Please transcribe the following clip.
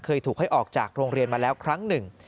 เคยถูกให้ออกจากโรงเรียนมาแล้วครั้งหนึ่ง